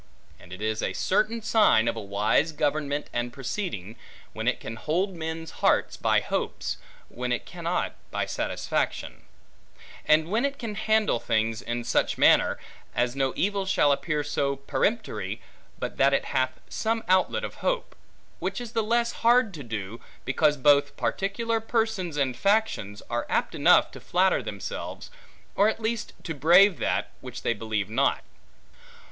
And it is a certain sign of a wise government and proceeding, when it can hold men's hearts by hopes, when it cannot by satisfaction; and when it can handle things, in such manner, as no evil shall appear so peremptory, but that it hath some outlet of hope; which is the less hard to do, because both particular persons and factions, are apt enough to flatter themselves, or at least to brave that, which they believe not.